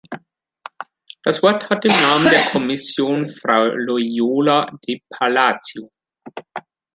Das Wort hat im Namen der Kommission Frau Loyola de Palacio.